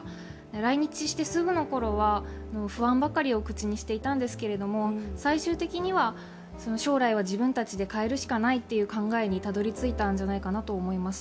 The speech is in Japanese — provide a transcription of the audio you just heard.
来日してすぐのころは不安ばかりを口にしていたんですけれども最終的には将来は自分たちで変えるしかないという考えにたどりついたんじゃないかなと思います。